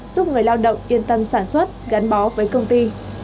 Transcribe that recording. giúp người lao động yên tâm sản xuất gắn bó với công ty